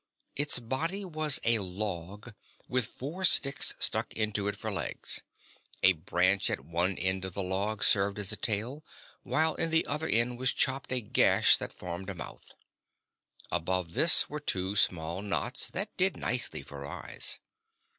Its body was a log, with four sticks stuck into it for legs. A branch at one end of the log served as a tail, while in the other end was chopped a gash that formed a mouth. Above this were two small knots that did nicely for eyes.